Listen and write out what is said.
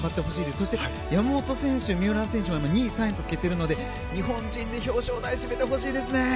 そして山本選手、三浦選手も２位、３位とつけているので日本人で表彰台を占めてほしいですね。